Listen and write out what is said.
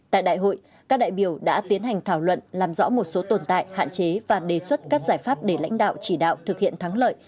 tại đại hội các đại biểu đã tiến hành thảo luận làm rõ một số tồn tại hạn chế và đề xuất các giải pháp để lãnh đạo chỉ đạo thực hiện thắng lợi